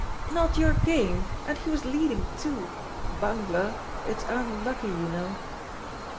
'" "Not your game! And he was leading, too! Bungler! It's unlucky, you know."